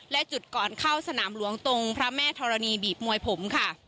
และจุดก่อนเข้าสนามหลวงตรงพระแม่ธรณีบีบมวยผมค่ะ